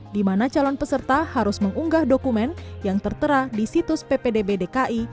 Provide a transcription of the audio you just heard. di mana calon peserta harus mengunggah dokumen yang tertera di situs ppdb dki